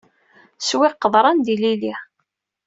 Swiɣ qeḍran d ililli.